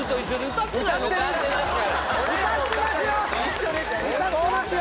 歌ってますよ